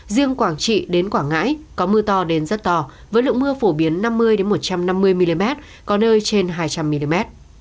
riêng quảng trị đến quảng ngãi có mưa to đến rất to với lượng mưa phổ biến năm mươi một trăm năm mươi mm có nơi trên hai trăm linh mm